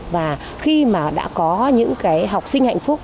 và khi mà đã có những cái học sinh hạnh phúc